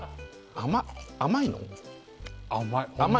甘いの？